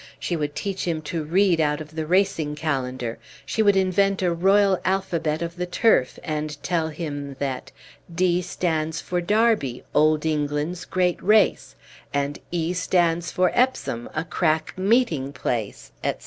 She would teach him to read out of the Racing Calendar; she would invent a royal alphabet of the turf, and tell him that "D stands for Derby, old England's great race," and "E stands for Epsom, a crack meeting place," etc.